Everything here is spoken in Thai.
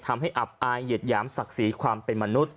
ทำให้อับอายเหยียดหยามศักดิ์ศรีความเป็นมนุษย